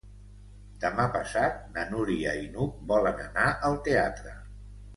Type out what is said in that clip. Demà passat na Núria i n'Hug volen anar al teatre.